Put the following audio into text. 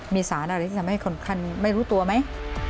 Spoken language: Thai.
มีสารอะไรที่ทำให้คนคันไม่รู้ตัวไหม